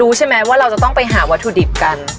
รู้นะว่าเราจะต้องไปหาวัถุดิบกัน